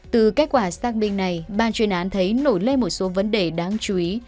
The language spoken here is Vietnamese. từ kết quả xác bình này bà truyền án thấy nổi lên một số vấn đề đáng chú ý